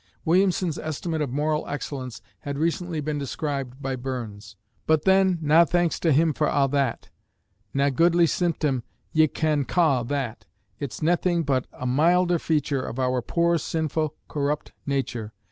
Williamson's estimate of moral excellence had recently been described by Burns: But then, nae thanks to him for a' that, Nae godly symptom ye can ca' that, It's naething but a milder feature Of our poor sinfu' corrupt nature.